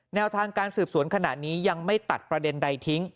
แนวทางการสืบสวนขณะนี้ยังไม่ตัดประเด็นใดทิ้ง